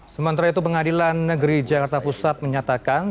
sementara itu pengadilan negeri jakarta pusat menyatakan